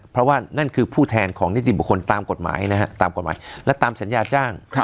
เพราะว่านั่นคือผู้แทนของนิติบุคคลตามกฎหมายนะฮะตามกฎหมายและตามสัญญาจ้าง